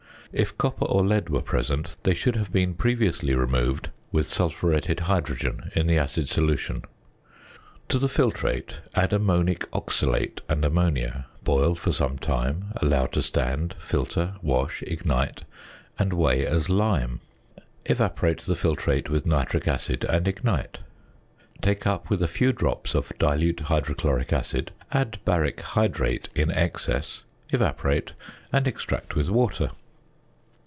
If copper or lead were present, they should have been previously removed with sulphuretted hydrogen in the acid solution. To the filtrate add ammonic oxalate and ammonia, boil for some time, allow to stand, filter, wash, ignite, and weigh as "lime." Evaporate the filtrate with nitric acid, and ignite. Take up with a few drops of dilute hydrochloric acid, add baric hydrate in excess, evaporate, and extract with water.